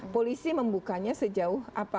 polisi membukanya sejauh apa